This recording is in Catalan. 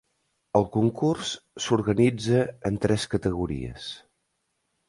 El concurs s’organitza en tres categories.